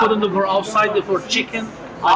anda menempatkan di luar untuk ayam